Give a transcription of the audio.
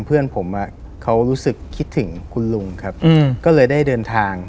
เพื่อนผมเขารู้สึกคิดถึงคุณลุงครับก็เลยได้เดินทาง